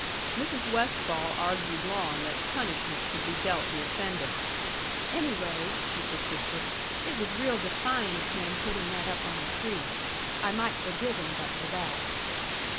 Mrs. Westfall argued long that punishment should be dealt the offender. "Anyway," she persisted, "it was real defiant of him putting that up on the tree. I might forgive him but for that."